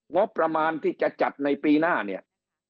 งบประมาณที่จะจัดในปีหน้าเนี่ย